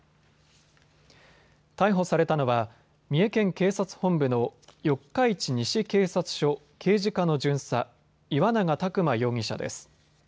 逮捕されたのは三重県警察本部の四日市西警察署刑事課の巡査、岩永拓馬容疑者です。